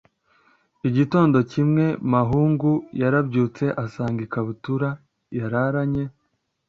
igitondo kimwe, mahungu yarabyutse asanga ikabutura yararanye